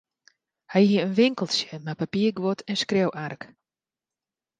Hy hie in winkeltsje mei papierguod en skriuwark.